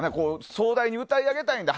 壮大に歌い上げたいんだ